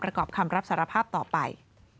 ประกอบคำรับสารภาพต่อไป